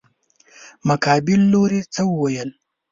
مقابل لوري څه وويل.